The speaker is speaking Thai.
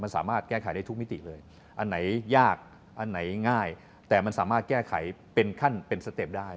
มันสามารถแก้ไขได้ทุกมิติเลยอันไหนยากอันไหนง่ายแต่มันสามารถแก้ไขเป็นขั้นเป็นสเต็ปได้